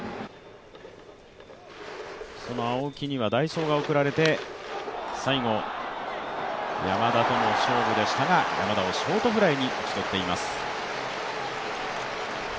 その青木には代走が送られて、最後、山田との勝負でしたが山田をショートフライに打ち取っています。